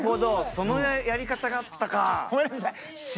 そのやり方があったか！